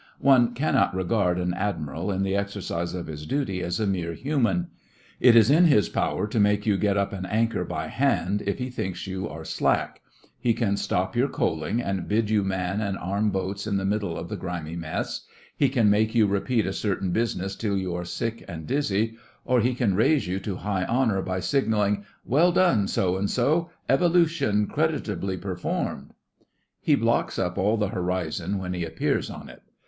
One cannot regard an Admiral in the exercise of his duty as a mere human. It is in his power to make you get up an anchor by hand if he thinks you are slack; he can stop your coaling and bid you man and arm boats in the middle of the grimy mess; he can make you repeat a certain business till you are sick and dizzy; or he can raise you to high honour by signalling: 'Well done, So and so. Evolution creditably performed.' He blocks up all the horizon when he appears on it.